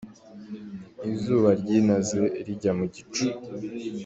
Izuba ryinaze rijya mu gicu.